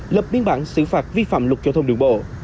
lập biên bản xử phạt vi phạm luật giao thông đường bộ